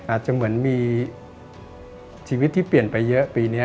อาจจะเหมือนมีชีวิตที่เปลี่ยนไปเยอะปีนี้